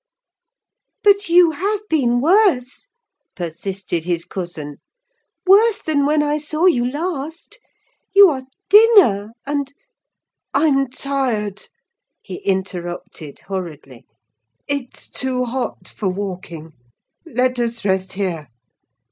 "But you have been worse," persisted his cousin; "worse than when I saw you last; you are thinner, and—" "I'm tired," he interrupted, hurriedly. "It is too hot for walking, let us rest here.